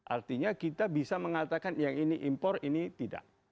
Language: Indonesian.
artinya kita bisa mengatakan yang ini impor ini tidak